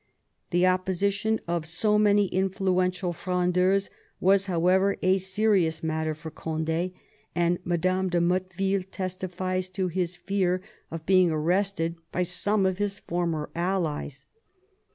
The opposition of so many influential Frondeurs was, however, a serious matter for Cond^ ; and Madame de Motteville testifies to his fear of being arrested by some of his former allies.